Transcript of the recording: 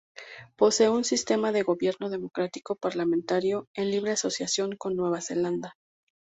Poseen un sistema de gobierno democrático-parlamentario en libre asociación con Nueva Zelanda.